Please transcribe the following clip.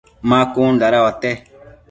ma cun dada uate ?